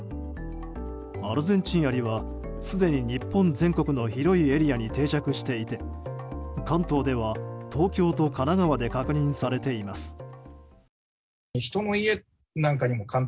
アルゼンチンアリはすでに日本全国の広いエリアに定着していて関東では東京と神奈川で確認されています。